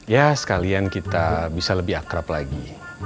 ya sekalian kita bisa lebih akrab lagi